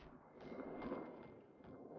stay save yainkan terus